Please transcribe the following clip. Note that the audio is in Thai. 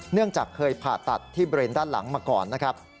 เนื่องจากเคยผ่าตัดที่เบรนด้านหลังมาก่อนนะครับ